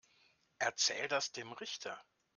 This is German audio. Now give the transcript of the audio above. Erzähl das dem Richter.